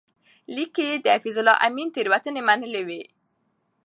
لیک کې یې د حفیظالله امین تېروتنې منلې وې.